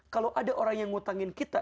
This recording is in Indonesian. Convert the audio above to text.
kalau ada orang yang ngutangin kita